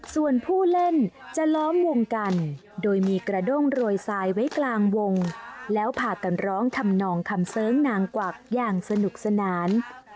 ส่วนผู้เล่นจะล้อมวงกันโดยมีกระด้งโรยทรายไว้กลางวงแล้วพากันร้องทำนองคำเสริงนางกวักอย่างสนุกสนาน